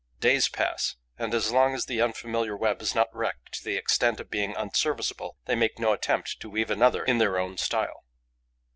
Days pass and, as long as the unfamiliar web is not wrecked to the extent of being unserviceable, they make no attempt to weave another in their own style.